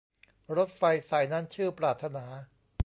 รถไฟสายนั้นชื่อปรารถนา